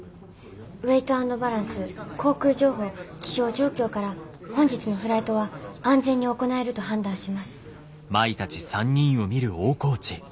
ウエイト＆バランス航空情報気象状況から本日のフライトは安全に行えると判断します。